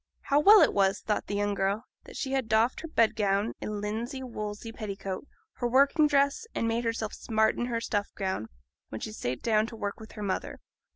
How well it was, thought the young girl, that she had doffed her bed gown and linsey woolsey petticoat, her working dress, and made herself smart in her stuff gown, when she sate down to work with her mother.